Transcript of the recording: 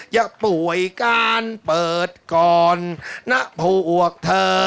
อย่าป่วยการเปิดก่อนนะพวกเธอ